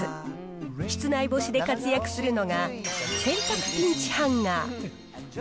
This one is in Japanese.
室内干しで活躍するのが、洗濯ピンチハンガー。